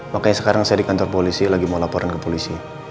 makanya sekarang saya di kantor polisi lagi mau laporan ke polisi